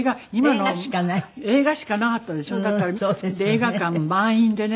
映画館も満員でね